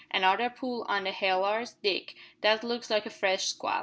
Another pull on the halyards, Dick; that looks like a fresh squall.